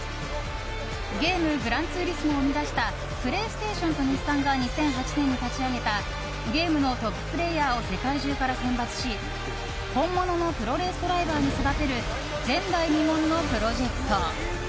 ゲーム「グランツーリスモ」を生み出したプレイステーションと日産が２００８年に立ち上げたゲームのトッププレーヤーを世界中から選抜し本物のプロレースドライバーに育てる前代未聞のプロジェクト。